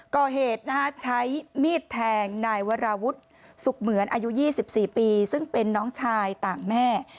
ก่อเหตุใช้มีดแทงนายวราวุฒิสุขเหมือนอายุ๒๔ปีซึ่งเป็นน้องชายต่างแม่